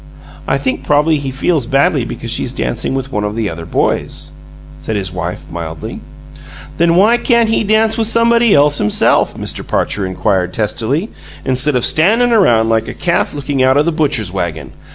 "I think probably he feels badly because she's dancing with one of the other boys," said his wife, mildly. "Then why can't he dance with somebody else himself?" Mr. Parcher inquired, testily. "Instead of standing around like a calf looking out of the butcher's wagon!